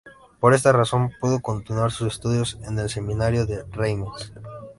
Por esta razón pudo continuar sus estudios en el seminario de Reims.